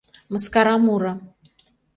МЫСКАРА МУРО